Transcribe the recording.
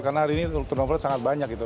karena hari ini turnover sangat banyak gitu